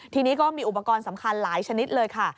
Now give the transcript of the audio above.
ทีนี้ก็มีอุปกรณ์สำคัญหลายชนิดเลยค่ะ